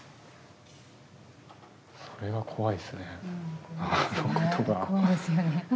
それが怖いですね。